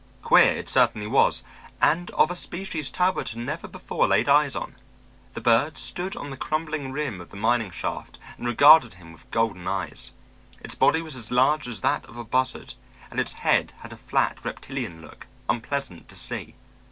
Queer, it certainly was, and of a species Talbot had never before laid eyes on. The bird stood on the crumbling rim of the mining shaft and regarded him with golden eyes. Its body was as large as that of a buzzard, and its head had a flat, reptilian look, unpleasant to see.